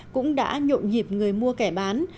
cũng đã nhộn nhịp người mua kẻ bán